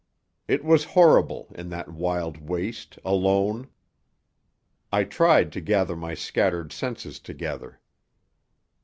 It was horrible, in that wild waste, alone. I tried to gather my scattered senses together.